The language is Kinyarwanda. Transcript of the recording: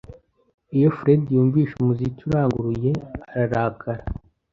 Iyo Fred yumvise umuziki uranguruye, ararakara.